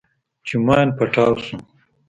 چې ماين پټاو سو.